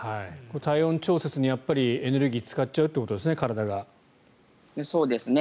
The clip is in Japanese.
体温調節に体がエネルギーを使っちゃうということですね。